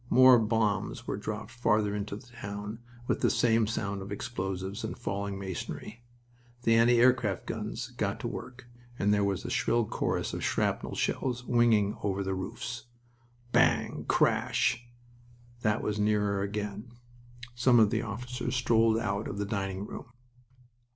More bombs were dropped farther into the town, with the same sound of explosives and falling masonry. The anti aircraft guns got to work and there was the shrill chorus of shrapnel shells winging over the roofs. "Bang!... Crash!" That was nearer again. Some of the officers strolled out of the dining room.